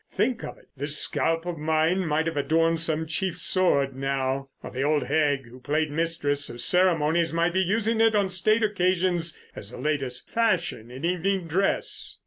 Think of it, this scalp of mine might have adorned some chief's sword now; or the old hag who played mistress of ceremonies might be using it on state occasions as the latest fashion in evening dress."